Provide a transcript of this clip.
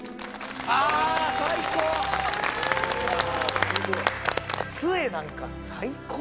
あ最高！